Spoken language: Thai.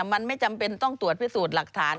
มันไม่จำเป็นต้องตรวจพิสูจน์หลักฐาน